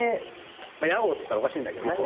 屋号っつったらおかしいんだけどね。